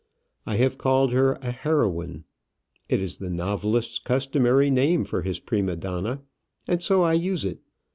I have called her a heroine; it is the novelist's customary name for his prima donna, and so I use it.